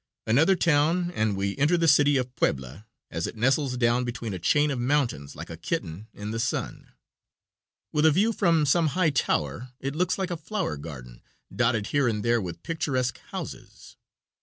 Another town and we enter the city of Puebla, as it nestles down between a chain of mountains like a kitten in the sun. With a view from some high tower, it looks like a flower garden, dotted here and there with picturesque houses.